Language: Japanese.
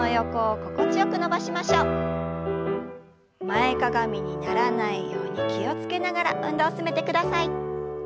前かがみにならないように気を付けながら運動を進めてください。